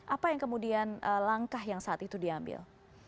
apa yang kemudian langkah yang saat itu diambil